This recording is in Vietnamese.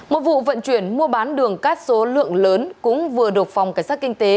một vụ vận chuyển mua bán đường cát số lượng lớn cũng vừa được phòng cảnh sát kinh tế